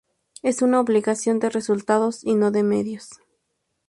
Es una obligación de resultados y no de medios.